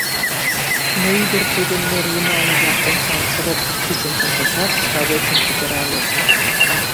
Но ӱдыр тудын нер йымалныжак омсам кроп чӱчын шындышат, сравочым пӱтырале.